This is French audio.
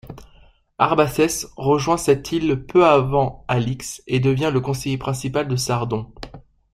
Arbacès rejoint cette île peu avant Alix et devient le conseiller principal de Sardon.